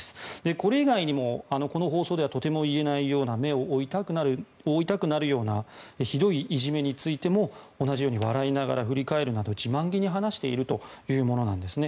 これ以外にもこの放送では言えないような目を覆いたくなるようなひどいいじめについても同じように笑いながら振り返るなど自慢げに話しているものなんですね。